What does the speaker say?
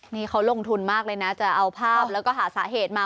นี่เขาลงทุนมากเลยนะจะเอาภาพแล้วก็หาสาเหตุมา